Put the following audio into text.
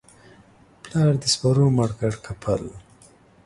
پلار دي سپرو مړ کى که پل؟